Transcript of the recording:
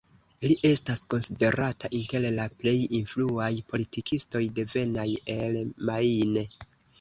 Li estas konsiderata inter la plej influaj politikistoj devenaj el Maine.